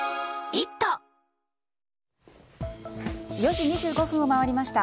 ４時２５分を回りました。